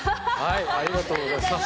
ありがとうございます。